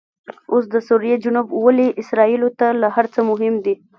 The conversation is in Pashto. اوس دسوریې جنوب ولې اسرایلو ته له هرڅه مهم دي؟